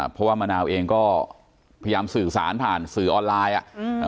เพราะว่ามะนาวเองก็พยายามสื่อสารผ่านสื่อออนไลน์อ่ะอืม